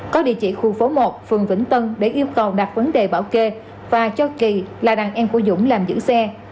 có địa chỉ khu phố một phường vĩnh tân để yêu cầu đặt vấn đề bảo kê và cho kỳ là đàn em của dũng làm giữ xe